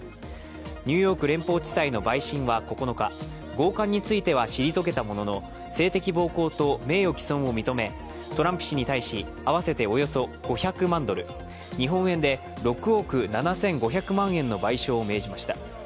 ニューヨーク連邦地裁の陪審は９日強姦については退けたものの、性的暴行と名誉毀損を認めトランプ氏に対し、合わせておよそ５００万ドル、日本円で６億７５００万円の賠償を命じました。